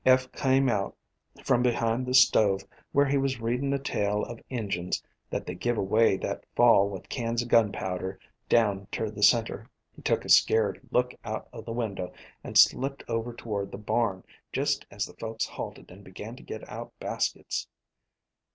"Eph came out from behind the stove where he was readin' a tale of Injins that they give away that fall with cans o' gunpowder down ter the A COMPOSITE FAMILY 259 Center. He took a scared look out o' the win der, and slipped over toward the barn, jest as the folks halted and began to get out baskets.